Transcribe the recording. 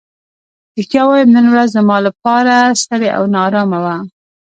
رښتیا ووایم نن ورځ زما لپاره ستړې او نا ارامه وه.